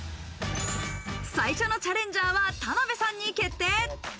最初のチャレンジャーは田辺さんに決定。